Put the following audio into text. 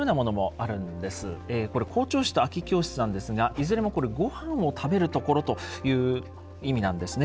これ校長室と空き教室なんですがいずれもこれごはんを食べる所という意味なんですね。